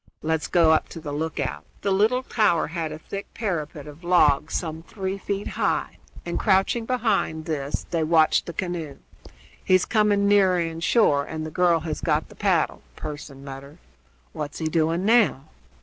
Let's go up to the lookout." The little tower had a thick parapet of logs some three feet high, and, crouching behind this, they watched the canoe. "He's coming nearer in shore, and the girl has got the paddle," Pearson muttered. "What's he doing now?"